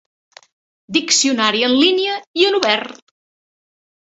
Diccionari en línia i en obert.